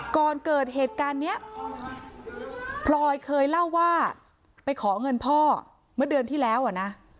ก่อนเกิดเหตุการณ์นี้พลอยเคยเล่าว่าไปขอเงินพ่อเมื่อเดือนที่แล้วอ่ะนะ